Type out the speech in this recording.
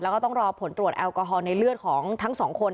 แล้วก็ต้องรอผลตรวจแอลกอฮอล์ในเลือดของทั้งสองคน